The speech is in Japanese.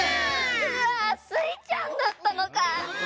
うわスイちゃんだったのかぁ！